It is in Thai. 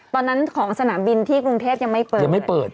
ตอนนั้นของสนามบินที่กรุงเทพยังไม่เปิด